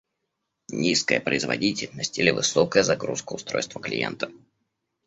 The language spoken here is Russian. Низкая производительность или высокая загрузка устройства клиента